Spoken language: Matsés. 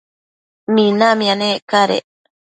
minamia nec cadec